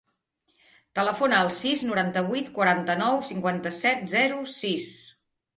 Telefona al sis, noranta-vuit, quaranta-nou, cinquanta-set, zero, sis.